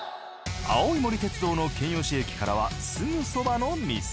青い森鉄道の剣吉駅からはすぐそばの店。